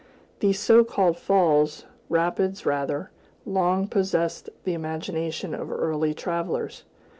These so called falls, rapids rather, long possessed the imagination of early travelers.